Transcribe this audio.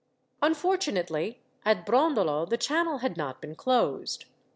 Unfortunately, at Brondolo the channel had not been closed.